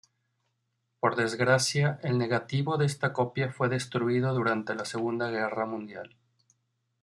Por desgracia, el negativo de esta copia fue destruido durante la Segunda Guerra Mundial.